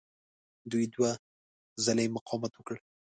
دوی دوه ځله مقاومت وکړ.